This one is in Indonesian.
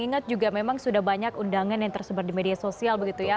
ingat juga memang sudah banyak undangan yang tersebar di media sosial begitu ya